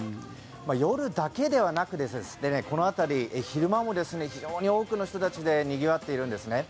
夜だけではなくこの辺り、昼間も非常に多くの人たちでにぎわっているんですね。